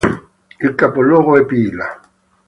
Il capoluogo è Pila.